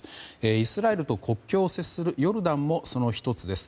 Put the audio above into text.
イスラエルと国境を接するヨルダンもその１つです。